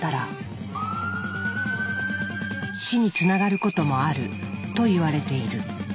死につながることもあると言われている。